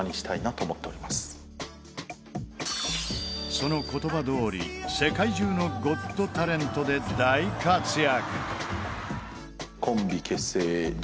その言葉どおり、世界中の「ゴット・タレント」で大活躍。